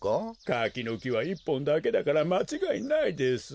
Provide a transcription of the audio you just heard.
かきのきは１ぽんだけだからまちがいないです。